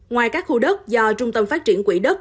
ngoài các khu đất do trung tâm phát triển quỹ đất